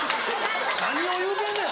何を言うてんねん！